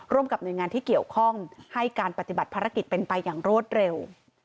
ร่วมกับหน่วยงานที่เกี่ยวข้องให้การปฏิบัติภารกิจเป็นไปอย่างรวดเร็ว